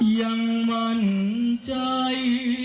ยังไห้